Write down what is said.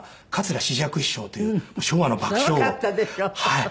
はい。